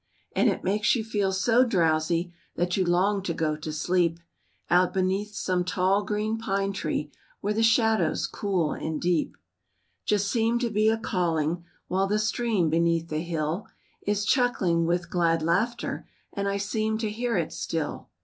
And it makes you feel so drowsy That you long to go to sleep, Out beneath some tall green pine tree, Where the shadows cool and deep Just seem to be a calling, While the stream beneath the hill Is chuckling with glad laughter, And I seem to hear it still.